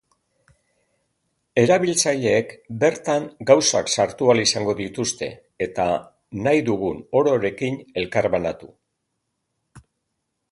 Erabiltzaileek bertan gauzak sartu ahal izango dituzte, eta nahi dugun ororekin elkarbanatu.